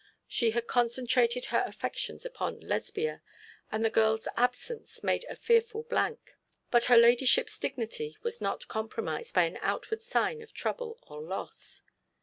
She had concentrated her affections upon Lesbia, and the girl's absence made a fearful blank. But her ladyship's dignity was not compromised by any outward signs of trouble or loss.